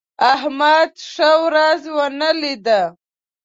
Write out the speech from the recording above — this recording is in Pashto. احمد ښه ورځ ونه لیده.